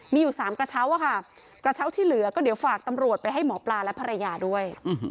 มีอยู่๓กระเช้าอะค่ะกระเช้าที่เหลือก็เดี๋ยวฝากตำรวจไปให้หมอปลาและภรรยาด้วย